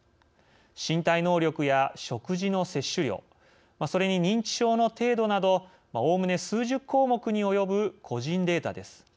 身体能力や食事の摂取量それに認知症の程度などおおむね数十項目に及ぶ個人データです。